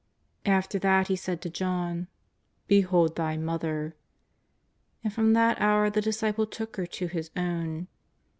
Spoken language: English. After that He said to John :" Behold thy Mother." And from that hour the disciple took her to his own.